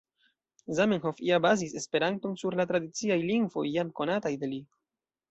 Zamenhof ja bazis Esperanton sur la tradiciaj lingvoj jam konataj de li.